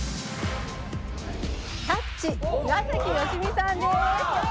『タッチ』岩崎良美さんです。